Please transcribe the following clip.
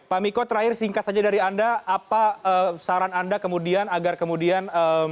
pak miko terakhir singkat saja dari anda apa saran anda kemudian agar kemudian